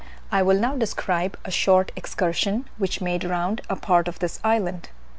I will now describe a short excursion which made round a part of this island.